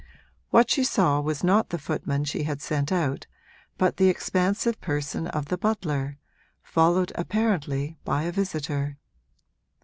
What she saw was not the footman she had sent out, but the expansive person of the butler, followed apparently by a visitor.